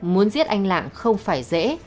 muốn giết anh lạng không phải dễ